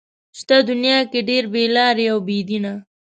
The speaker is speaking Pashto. شته دنيا کې ډېر بې لارې او بې دينه